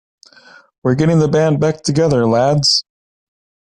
We're getting the band back together lads!.